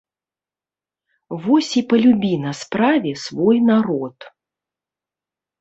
Вось і палюбі на справе свой народ!